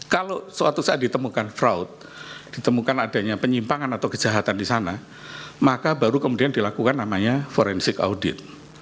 kalau suatu saat ditemukan fraud ditemukan adanya penyimpangan atau kejahatan di sana maka baru kemudian dilakukan namanya forensik audit